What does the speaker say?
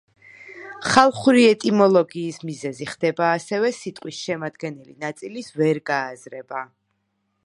ხალხური ეტიმოლოგიის მიზეზი ხდება ასევე სიტყვის შემადგენელი ნაწილის ვერ გააზრება.